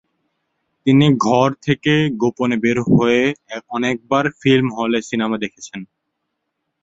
তিনি ঘড় থেকে গোপনে বের হয়ে অনেকবার ফিল্ম হলে সিনেমা দেখেছেন।